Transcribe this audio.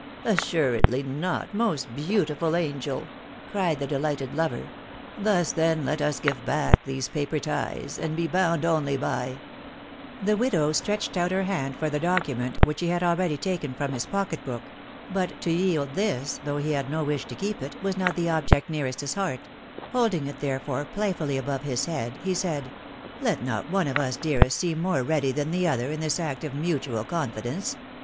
" Assuredly not, most beautiful angel !" cried the delighted lover :" thus, then, let us give back these paper ties, and be bound only by ...." The widow stretched out her hand for the document which he had already taken from his pocket book ; but to yield this, though he had no wish to keep it, was not the object nearest ■ his heart ; holding it, therefore, playfully above his head, he said, " Let not one of us, dearest, seem more ready than the other in this act of mutual confidence